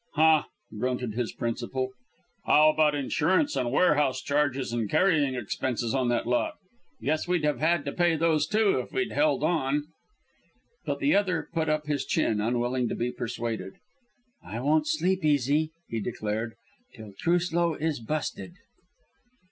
"Huh!" grunted his principal. "How about insurance, and warehouse charges, and carrying expenses on that lot? Guess we'd have had to pay those, too, if we'd held on." But the other put up his chin, unwilling to be persuaded. "I won't sleep easy," he declared, "till Truslow is busted."